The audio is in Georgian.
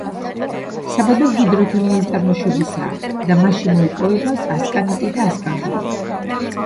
საბადო ჰიდროთერმული წარმოშობისაა და მასში მოიპოვება ასკანიტი და ასკანგელი.